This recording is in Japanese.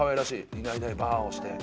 いないいないばあをして。